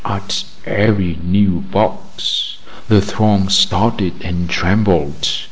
At every new box the throng started and trembled.